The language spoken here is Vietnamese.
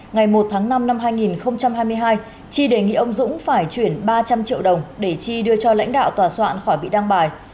ngày một tháng năm năm hai nghìn hai mươi hai chi đề nghị ông dũng phải chuyển ba trăm linh triệu đồng để chi đưa cho lãnh đạo tòa soạn khỏi bị đăng bài